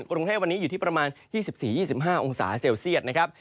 กรุงเทพวันนี้อยู่ที่ประมาณ๒๔๒๕องศาเซลเซียตนะครับ